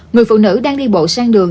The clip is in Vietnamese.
người phụ nữ đang đi bộ sang đường